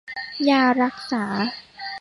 ยารักษา